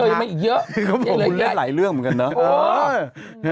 บ่อยเจอมีอีกเยอะก็เห็นเลยค่ะเขาบ่งเล่นหลายเรื่องเหมือนกันเนอะ